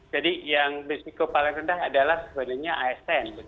jadi yang berisiko paling rendah adalah sebenarnya asn